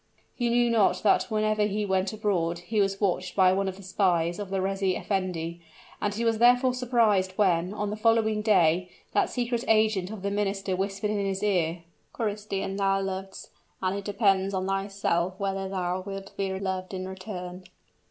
He knew not that whenever he went abroad, he was watched by one of the spies of the reis effendi; and he was therefore surprised when, on the following day, that secret agent of the minister whispered in his ear, "Christian, thou lovest and it depends on thyself whether thou wilt be loved in return!"